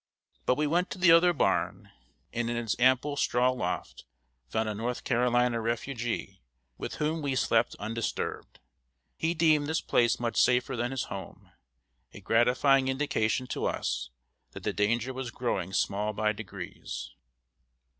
But we went to the other barn, and in its ample straw loft found a North Carolina refugee, with whom we slept undisturbed. He deemed this place much safer than his home a gratifying indication to us that the danger was growing small by degrees.